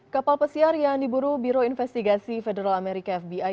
kapal pesiar yang diburu biro investigasi federal amerika fbi